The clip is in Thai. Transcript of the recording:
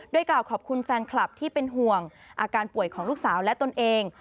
โดยกล่าวขอบคุณแฟนคลับที่เป็นห่วงอาการป่วยของลูกสาวและตนเอง